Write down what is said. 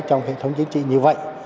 trong hệ thống chính trị như vậy